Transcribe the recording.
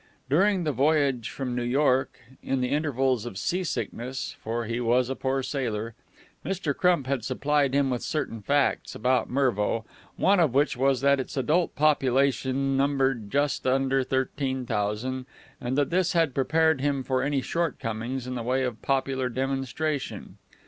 During the voyage from New York, in the intervals of seasickness for he was a poor sailor Mr. Crump had supplied him with certain facts about Mervo, one of which was that its adult population numbered just under thirteen thousand, and this had prepared him for any shortcomings in the way of popular demonstration.